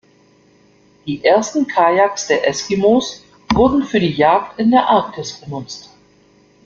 Die ersten Kajaks der Eskimos wurden für die Jagd in der Arktis benutzt.